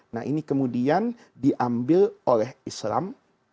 nah ini kemudian diambil oleh islam